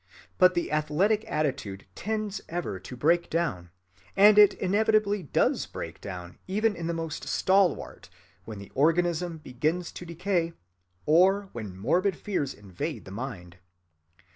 But the athletic attitude tends ever to break down, and it inevitably does break down even in the most stalwart when the organism begins to decay, or when morbid fears invade the mind.